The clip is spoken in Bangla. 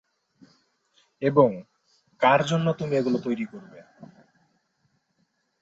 এবং 'কার জন্য তুমি এগুলো তৈরী করবে?'